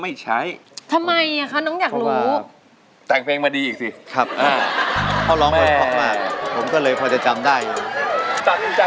ไม่ชัยเพื่อนซื้อความบ้าขวาหล้างมาจากที่ไหนล่ะ